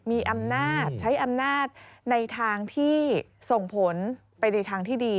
มีอำนาจใช้อำนาจในทางที่ส่งผลไปในทางที่ดี